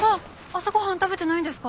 朝ご飯食べてないんですか？